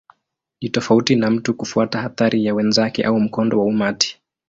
Ni tofauti na mtu kufuata athari ya wenzake au mkondo wa umati.